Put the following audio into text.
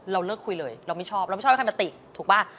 เราเลิกคุยเลยเราไม่ชอบเราไม่ชอบให้ใครมาติถูกป่ะ